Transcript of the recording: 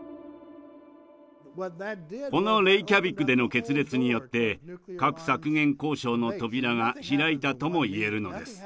このレイキャビクでの決裂によって核削減交渉の扉が開いたとも言えるのです。